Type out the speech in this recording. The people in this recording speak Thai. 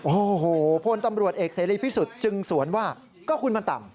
โอ้โหพลตำรวจเอกเสรีพิสุทธิ์จึงสวนว่าก็คุณมันต่ำ